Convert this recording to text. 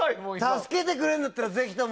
助けてくれるんだったらぜひとも。